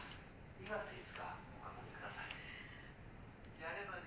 ２月５日ご確認くださいね。